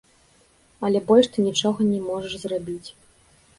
Але больш ты нічога не можаш зрабіць.